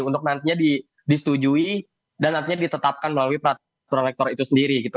untuk nantinya disetujui dan nantinya ditetapkan melalui peraturan rektor itu sendiri gitu